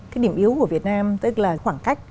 cái điểm yếu của việt nam tức là khoảng cách